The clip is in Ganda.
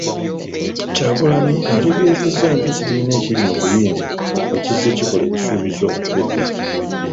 Kyagulanyi ategeezezza ng'ekibiina ekiri mu buyinza bwe kizze kikola ebisuubizo okuva edda.